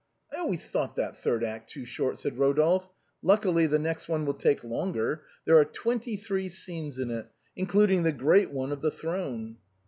"I always thought that third act too short," said Ro dolphe ;" luckily the next one will take longer ; there are twenty three scenes in it, including the great one of the throne."